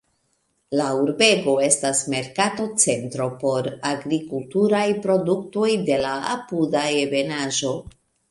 La urbego estas merkato-centro por agrikulturaj produktoj de la apuda ebenaĵo.